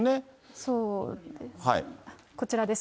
そうです。